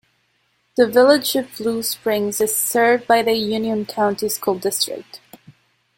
The Village of Blue Springs is served by the Union County School District.